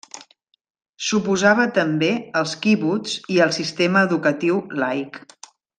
S'oposava també als quibuts i al sistema educatiu laic.